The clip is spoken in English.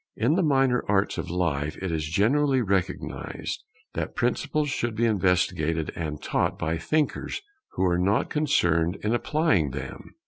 In the minor arts of life it is generally recognized that principles should be investigated and taught by thinkers who are not concerned in applying them.